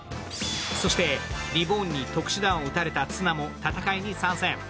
そしてリボーンに特殊弾を撃たれたツナも戦いに参戦。